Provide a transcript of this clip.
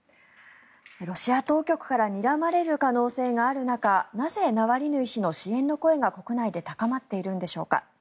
ロシア当局からにらまれる可能性がある中なぜナワリヌイ氏の支援の声が国内で高まっているのでしょうか。